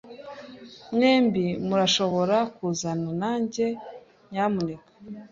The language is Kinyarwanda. Mwembi murashobora kuzana nanjye, nyamuneka?